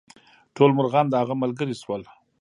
ټول مرغان د هغه ملګري شول.